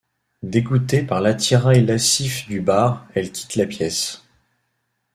Dégoûtée par l'attirail lascif du bar, elle quitte la pièce.